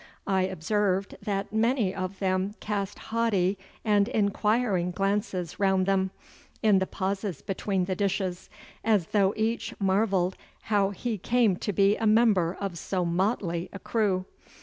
I observed that many of them cast haughty and inquiring glances round them, in the pauses between the dishes, as though each marvelled how he came to be a member of so motley a crew.